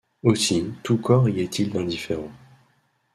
Aussi tout corps y est-il indifférent.